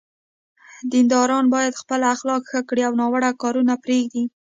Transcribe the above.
دینداران باید خپل اخلاق ښه کړي او ناوړه کارونه پرېږدي.